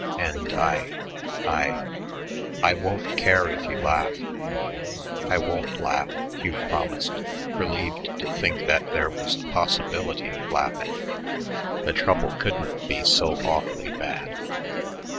And I I I won't care if you laugh." "I won't laugh," Hugh promised, relieved to think that there was a possibility of laughing. The trouble couldn't be so awfully bad.